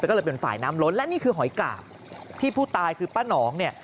ก็เลยเป็นฝ่ายน้ำล้นและนี่คือหอยกาบที่ผู้ตายคือป้านองเนี่ย